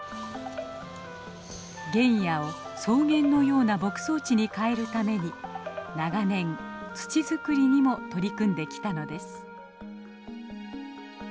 原野を草原のような牧草地に変えるために長年土作りにも取り組んできたのです。